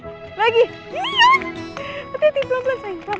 hati hati pelan pelan sayang